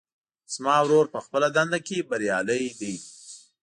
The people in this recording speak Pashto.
زما ورور په خپله دنده کې بریالی ده